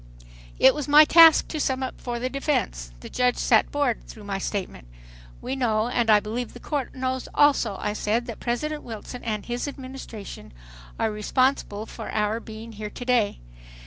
It was my task to sum up for the defense. The judge sat bored through my statement. "We know and I believe the Court knows also," I said, "that President Wilson and his Administration are responsible for our being here to day.